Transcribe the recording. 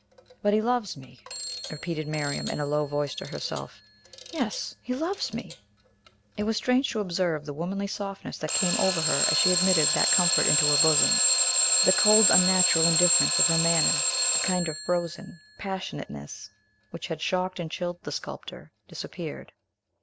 "But he loves me," repeated Miriam, in a low voice, to herself. "Yes; he loves me!" It was strange to observe the womanly softness that came over her, as she admitted that comfort into her bosom. The cold, unnatural indifference of her manner, a kind of frozen passionateness which had shocked and chilled the sculptor, disappeared.